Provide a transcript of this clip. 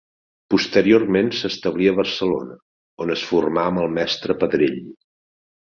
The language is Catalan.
Posteriorment s'establí a Barcelona, on es formà amb el mestre Pedrell.